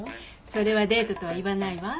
それはデートとは言わないわ。